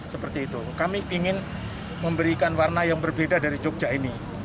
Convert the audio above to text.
seperti itu kami ingin memberikan warna yang berbeda dari jogja ini